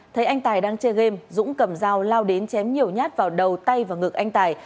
thấy anh tài đang chơi game dũng cầm dao lao đến chém nhiều nhát vào đầu tay và ngực anh tài